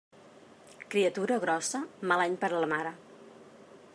Criatura grossa, mal any per a la mare.